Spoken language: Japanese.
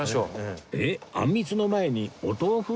えっ？あんみつの前にお豆腐？